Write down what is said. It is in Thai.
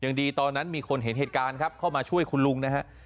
ดีตอนนั้นมีคนเห็นเหตุการณ์ครับเข้ามาช่วยคุณลุงนะฮะ